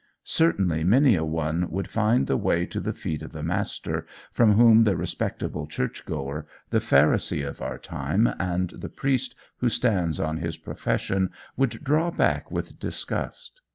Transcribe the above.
Certainly many a one would find the way to the feet of the master, from whom the respectable church goer, the pharisee of our time, and the priest who stands on his profession, would draw back with disgust.